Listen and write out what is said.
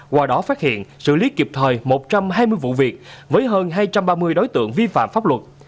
qua đó phát hiện xử lý kịp thời một trăm hai mươi vụ việc với hơn hai trăm ba mươi đối tượng vi phạm pháp luật